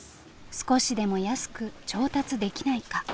少しでも安く調達できないか。